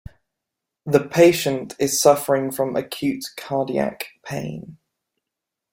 The patient is suffering from acute cardiac pain.